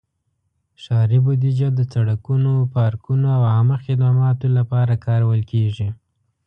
ښاري بودیجه د سړکونو، پارکونو، او عامه خدماتو لپاره کارول کېږي.